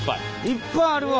いっぱいあるわ！